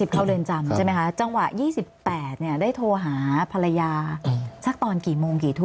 เข้าเรือนจำใช่ไหมคะจังหวะ๒๘ได้โทรหาภรรยาสักตอนกี่โมงกี่ทุ่ม